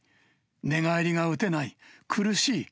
寝返りが打てない、苦しい。